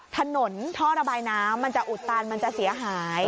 ถนนท่อระบายน้ำมันจะอุดตันมันจะเสียหาย